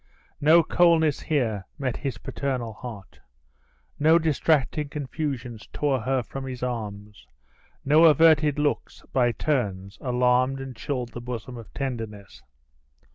No coldness here met his paternal heart: no distracting confusions tore her from his arms; no averted looks, by turns, alarmed and chilled the bosom of tenderness.